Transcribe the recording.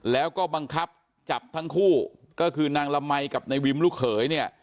แล้วก็บังคับจับทั้งคู่ก็คือนางละมัยกับนายวิมลูกเขยเนี่ย